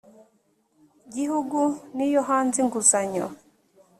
gihugu n iyo hanze inguzanyo